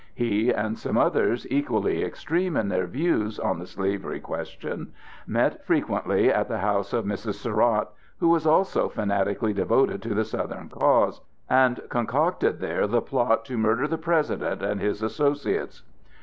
He and some others, equally extreme in their views on the slavery question, met frequently at the house of a Mrs. Surratt, who was also fanatically devoted to the Southern cause, and concocted there the plot to murder the President and his associates.